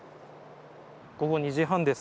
午後２時半です。